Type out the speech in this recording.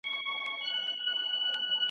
منځلاري خلګ تر افراطیانو ډېر کم دي.